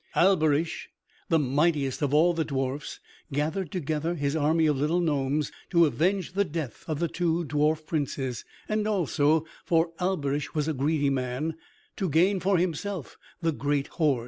Alberich, the mightiest of all the dwarfs, gathered together his army of little gnomes to avenge the death of the two dwarf princes and also, for Alberich was a greedy man, to gain for himself the great hoard.